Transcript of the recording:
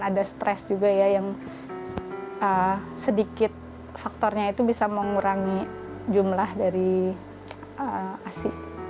ada stres juga ya yang sedikit faktornya itu bisa mengurangi jumlah dari asi